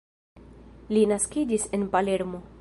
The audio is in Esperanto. Li naskiĝis en Palermo.